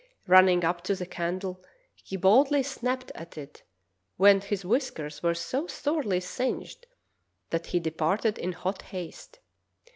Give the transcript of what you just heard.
Running up to the candle, he boldly snapped at it, when his whiskers were so sorely singed that he departed in hot haste.